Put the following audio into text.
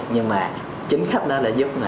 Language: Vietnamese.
nhưng mà chính khách đó đã giúp